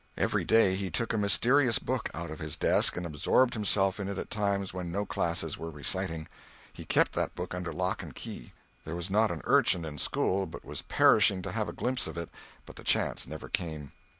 Every day he took a mysterious book out of his desk and absorbed himself in it at times when no classes were reciting. He kept that book under lock and key. There was not an urchin in school but was perishing to have a glimpse of it, but the chance never came.